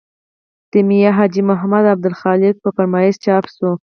د میا حاجي محمد او عبدالخالق په فرمایش چاپ شو.